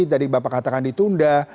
tadi bapak katakan ditunda